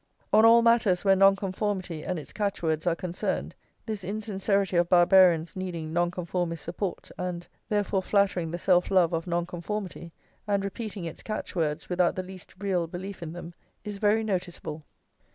On all matters where Nonconformity and its catchwords are concerned, this insincerity of Barbarians needing Nonconformist support, and, therefore, flattering the self love of Nonconformity and repeating its catchwords without the least real belief in them, is very noticeable.